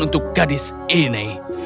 untuk gadis ini